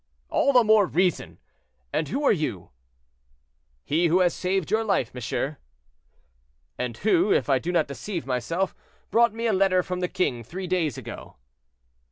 "All the more reason. And who are you?" "He who has saved your life, monsieur." "And who, if I do not deceive myself, brought me a letter from the king three days ago."